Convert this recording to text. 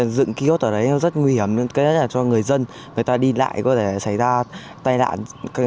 dựng kios ở đấy rất nguy hiểm rất là cho người dân người ta đi lại có thể xảy ra tai nạn